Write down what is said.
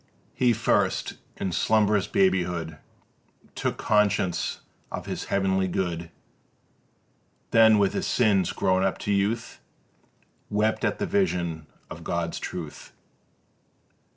He first in slumbrous babyhood Took conscience of his heavenly good; Then with his sins grown up to youth Wept at the vision of God's truth.